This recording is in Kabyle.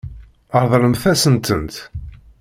Ṛeḍlemt-asen-tent.